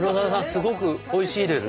すごくおいしいです。